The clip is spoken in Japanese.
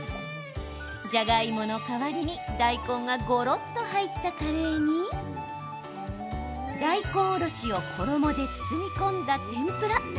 じゃがいもの代わりに大根が、ごろっと入ったカレーに大根おろしを衣で包み込んだ天ぷら。